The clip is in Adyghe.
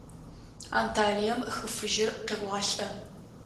Анталием Хы Фыжьыр къеуалӏэ.